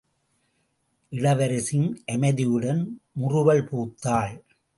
இளவரசியும் அமைதியுடன் முறுவல் பூத்தாள்.